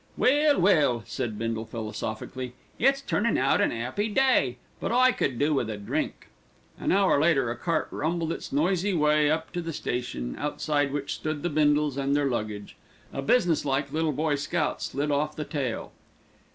"Well, well," said Bindle philosophically, "it's turnin' out an 'appy day; but I could do with a drink." An hour later a cart rumbled its noisy way up to the station, outside which stood the Bindles and their luggage. A business like little boy scout slid off the tail.